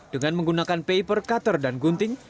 dengan menggunakan paper cutter dan gunting